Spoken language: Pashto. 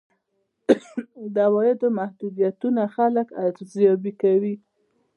عوایدو محدودیتونه خلک ارزيابي کوي.